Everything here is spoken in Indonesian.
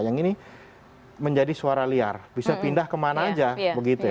yang ini menjadi suara liar bisa pindah kemana aja begitu ya